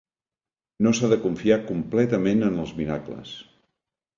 No s'ha de confiar completament en els miracles.